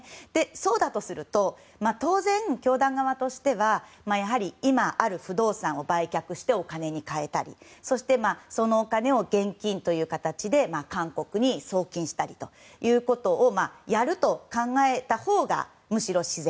そうだとすると当然教団側としてはやはり今ある不動産を売却してお金に換えたりそして、そのお金を現金という形で韓国に送金したりということをやると考えたほうがむしろ自然。